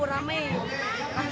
durian gratis nih pak